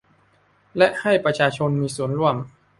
และให้ประชาชนมีส่วนร่วม